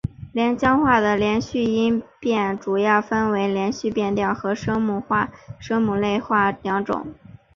连江话的连读音变主要分为连读变调和声母类化两种。